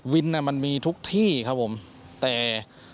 มันมีทุกที่ครับผมแต่